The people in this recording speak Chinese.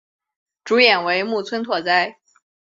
主演为木村拓哉。